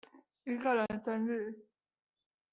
一個人生日